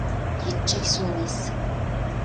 Yečča aksum-is.